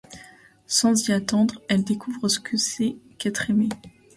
Sans s’y attendre, elle découvre ce que c’est qu’être aimée.